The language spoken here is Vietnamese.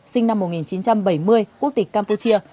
sinh năm một nghìn chín trăm bảy mươi quốc tịch campuchia